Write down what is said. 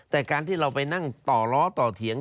แต่การที่เราไปนั่งต่อล้อต่อเถียง